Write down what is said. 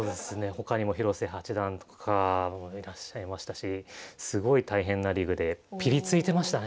他にも広瀬八段とかもいらっしゃいましたしすごい大変なリーグでぴりついてましたね。